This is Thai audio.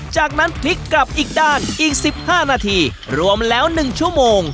จากนั้นพลิกกลับอีกด้านอีกสิบห้านาทีรวมแล้วหนึ่งชั่วโมง